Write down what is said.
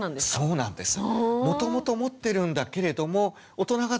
そうなんです。